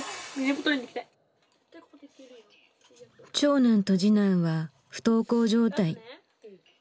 長男と次男は不登校状態。